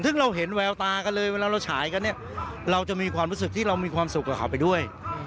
ซึ่งเราเห็นแววตากันเลยเวลาเราฉายกันเนี่ยเราจะมีความรู้สึกที่เรามีความสุขกับเขาไปด้วย